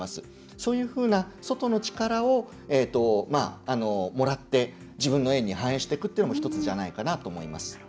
そういうふうな外の力をもらって自分の園に反映していくのも１つじゃないかなと思います。